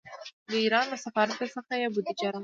د ایران له سفارت څخه یې بودجه راوړه.